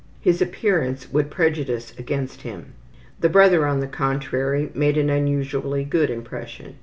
His appearance would prejudice against him. The brother, on the contrary, made an unusually good impression.